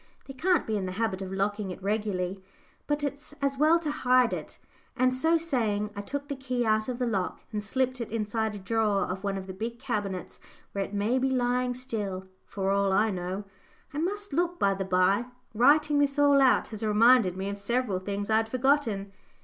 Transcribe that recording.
They can't be in the habit of locking it regularly; but it's as well to hide it," and so saying, I took the key out of the lock and slipped it inside a drawer of one of the big cabinets, where it may be lying still, for all I know (I must look, by the by: writing this all out has reminded me of several things I had forgotten).